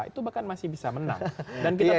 itu bahkan masih bisa menang